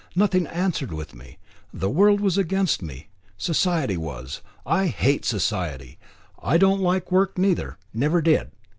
Nothing answered with me. The world was against me. Society was. I hate Society. I don't like work neither, never did.